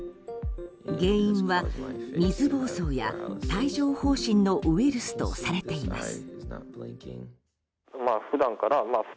原因は水ぼうそうや帯状疱疹のウイルスとされています。